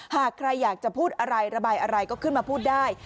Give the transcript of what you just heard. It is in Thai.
หากใครอยากจะพูดอะไรระบายอะไรก็ขึ้นมาพูดได้